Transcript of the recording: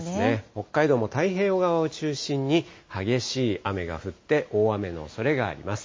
北海道も太平洋側を中心に激しい雨が降って、大雨のおそれがあります。